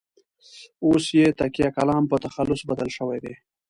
اوس یې تکیه کلام په تخلص بدل شوی دی.